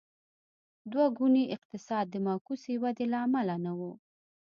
دوه ګونی اقتصاد د معکوسې ودې له امله نه و.